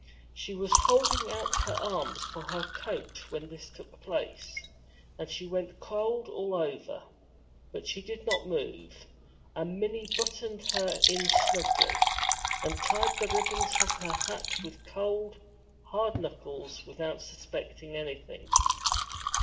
She was holding out her arms for her coat when this took place, and she went cold all over. But she did not move, and Minnie buttoned her in snugly, and tied the ribbons of her hat with cold, hard knuckles, without suspecting anything.